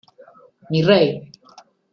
¡ mi rey!